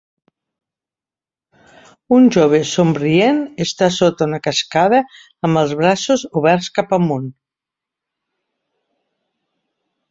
Un jove somrient està sota una cascada amb els braços oberts cap amunt